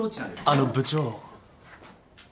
あの部長。